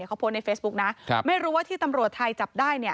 เขาโพสต์ในเฟซบุ๊คนะไม่รู้ว่าที่ตำรวจไทยจับได้เนี่ย